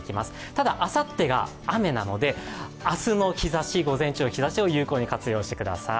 ただあさってが、雨なので明日の午前中の日ざしを有効に活用してください。